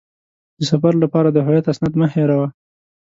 د سفر لپاره د هویت اسناد مه هېروه.